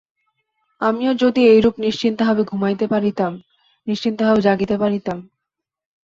আমিও যদি এইরূপ নিশ্চিন্তভাবে ঘুমাইতে পারিতাম, নিশ্চিন্তভাবে জাগিতে পারিতাম।